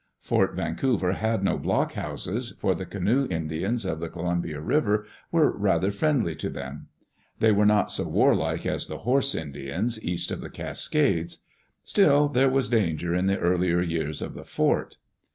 Fort Vancouver had no blockhouses, for the canoe Indians of the Columbia River were rather friendly td them. They were not so warlike as the "horse Indians east of the Cascades. Still there was danger in the earlier years of the fort.